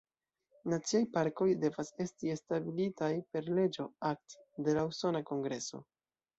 Naciaj parkoj devas esti establitaj per leĝo "act" de la Usona Kongreso.